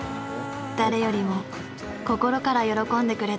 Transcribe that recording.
誰よりも心から喜んでくれた。